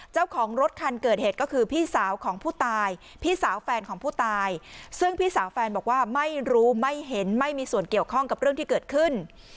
เจ้าของรถคันเกิดเหตุก็คือพี่สาวของผู้ตายพี่สาวแฟนของผู้ตายซึ่งพี่สาวแฟนบอกว่าไม่รู้ไม่เห็นไม่มีส่วนเกี่ยวข้องกับเรื่องที่เกิดขึ้น